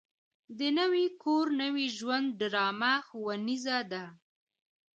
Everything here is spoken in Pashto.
د نوي کور نوي ژوند ډرامه ښوونیزه ده.